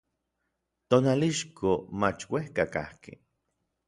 Tonalixco mach uejka kajki.